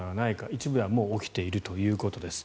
一部ではもう起きているということです。